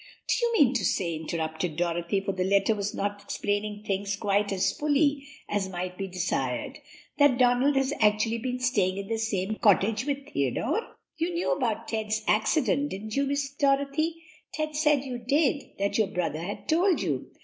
"Do you mean to say," interrupted Dorothy for the letter was not explaining things quite as fully as might be desired "that Donald has actually been staying in the same cottage with Theodore?" "You knew about Ted's accident, didn't you, Miss Dorothy? Ted said you did, that your brother had told you."